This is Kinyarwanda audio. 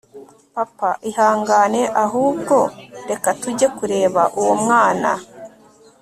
papa ihangane ahubwo reka tujye kureba uwo mwana